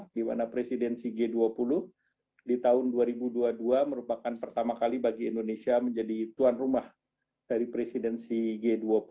di mana presidensi g dua puluh di tahun dua ribu dua puluh dua merupakan pertama kali bagi indonesia menjadi tuan rumah dari presidensi g dua puluh